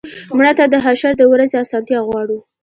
مړه ته د حشر د ورځې آسانتیا غواړو